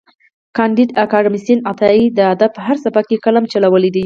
کانديد اکاډميسن عطايي د ادب په هر سبک کې قلم چلولی دی.